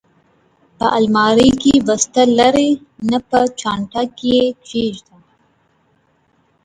په المارۍ کې، بسته لرې؟ نه، په چانټه کې یې کېږده.